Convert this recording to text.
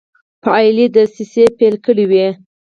فعالي دسیسې پیل کړي وې.